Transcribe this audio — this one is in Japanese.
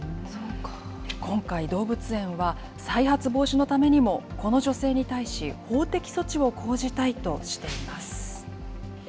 今回、動物園は再発防止のためにも、この女性に対し、法的措置を講じたいとしています。